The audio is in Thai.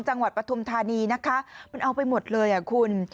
จังหวัดปฐมธานีนะคะมันเอาไปหมดเลยคุณ